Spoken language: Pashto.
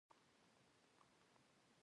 هغه له کټ نه راکوز شو، سیخ ودرید.